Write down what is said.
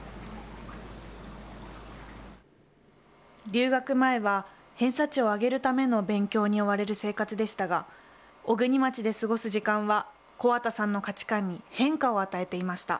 留学前は偏差値を上げるための勉強に追われる生活でしたが小国町で過ごす時間は木幡さんの価値観に変化を与えていました。